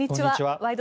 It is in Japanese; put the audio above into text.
「ワイド！